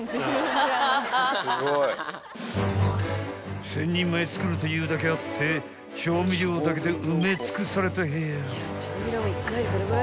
［１，０００人前作るというだけあって調味料だけで埋め尽くされた部屋］